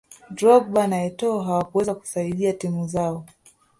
drogba na etoo hawakuweza kuzisaidia timu zao